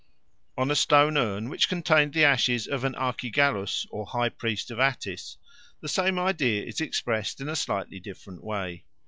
On a stone urn, which contained the ashes of an Archigallus or high priest of Attis, the same idea is expressed in a slightly different way.